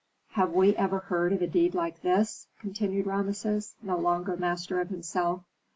Have we ever heard of a deed like this?" continued Rameses, no longer master of himself.